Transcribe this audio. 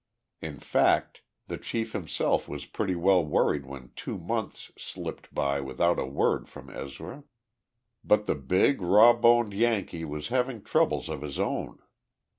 In fact, the chief himself was pretty well worried when two months slipped by without a word from Ezra.... But the big, raw boned Yankee was having troubles of his own.